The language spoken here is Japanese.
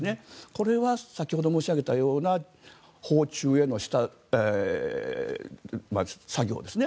これは先ほど申し上げたような訪中への下作業ですね。